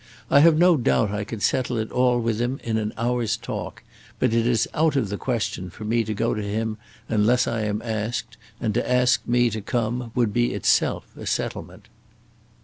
I have no doubt I could settle it all with him in an hour's talk, but it is out of the question for me to go to him unless I am asked, and to ask me to come would be itself a settlement."